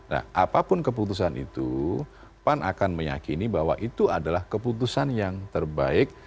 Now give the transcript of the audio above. nah apapun keputusan itu pan akan meyakini bahwa itu adalah keputusan yang terbaik